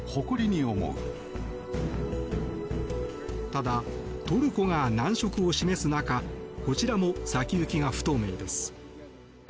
ただ、トルコが難色を示す中こちらも先行きが不透明です。